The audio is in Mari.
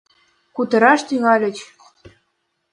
Кутыраш тӱҥальыч.